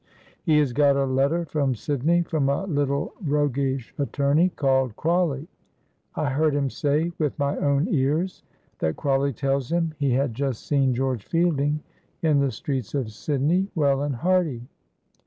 "He has got a letter from Sydney from a little roguish attorney called Crawley. I heard him say with my own ears that Crawley tells him he had just seen George Fielding in the streets of Sydney, well and hearty."